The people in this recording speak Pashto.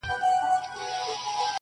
دا د مرګي له چېغو ډکه شپېلۍ.!